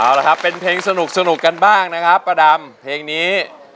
เอาละครับเป็นเพลงสนุกกันบ้างนะครับป้าดำเพลงนี้